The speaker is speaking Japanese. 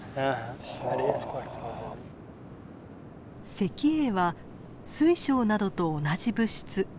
石英は水晶などと同じ物質。